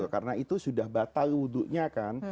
karena itu sudah batal wudunya kan